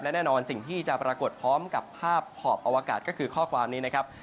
และแน่นอนสิ่งที่จะปรากฏพร้อมกับภาพขอบอวกาศก็คือข้อความนี้นะครับ